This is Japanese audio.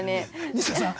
西田さん。